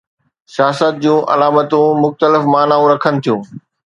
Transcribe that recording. سياست جون علامتون مختلف معنائون رکن ٿيون.